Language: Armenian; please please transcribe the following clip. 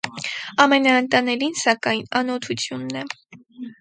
Ամենաանտանելին, սակայն, անօթութիւնն է։